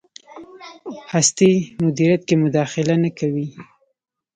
هستۍ مدیریت کې مداخله نه کوي.